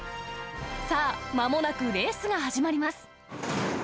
さあ、まもなくレースが始まります。